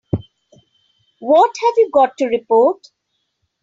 What have you got to report?